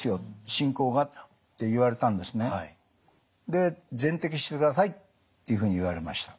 で全摘してくださいっていうふうに言われました。